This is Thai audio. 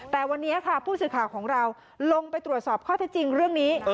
แต่วันนี้ค่ะผู้สื่อข่าวของเราลงไปตรวจสอบข้อเท็จจริงเรื่องนี้